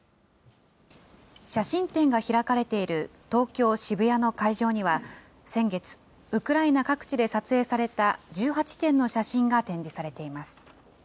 写真展が開かれている東京・渋谷の会場には、先月、ウクライナ各地で撮影された１８点の写真が展示されています。